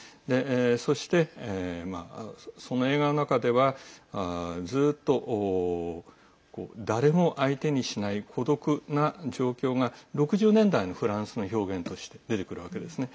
そして、その映画の中ではずっと誰も相手にしない孤独な状況が６０年代のフランスの表現として出てくるわけですね。